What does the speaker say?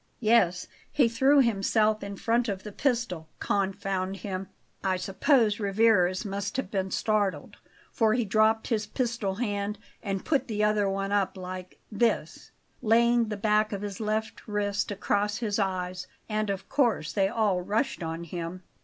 "Yes; he threw himself in front of the pistol confound him! I suppose Rivarez must have been startled, for he dropped his pistol hand and put the other one up like this" laying the back of his left wrist across his eyes "and of course they all rushed on him."